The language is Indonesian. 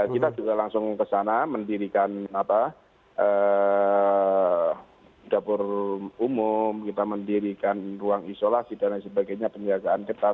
kita juga langsung ke sana mendirikan dapur umum kita mendirikan ruang isolasi dan lain sebagainya penjagaan ketat